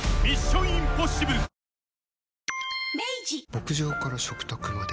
牧場から食卓まで。